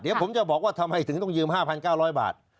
เดี๋ยวผมจะบอกว่าทำไมถึงต้องยืม๕๙๐๐บาท